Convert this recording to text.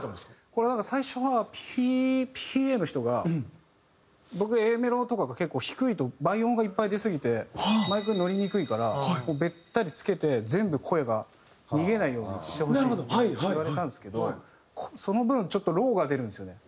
これはなんか最初はＰＡの人が僕がＡメロのとこだと結構低いと倍音がいっぱい出すぎてマイクに乗りにくいからもうべったりつけて全部声が逃げないようにしてほしいって言われたんですけどその分ちょっとローが出るんですよね